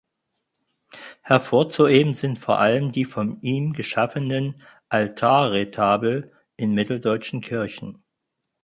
Hervorzuheben sind vor allem die von ihm geschaffenen Altarretabel in mitteldeutschen Kirchen.